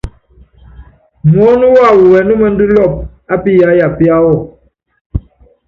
Muɔ́nɔ́ wawɔ wɛnúmɛndú lɔɔpɔ á piyáya piáwɔ.